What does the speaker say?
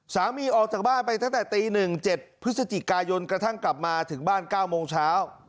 ออกจากบ้านไปตั้งแต่ตี๑๗พฤศจิกายนกระทั่งกลับมาถึงบ้าน๙โมงเช้า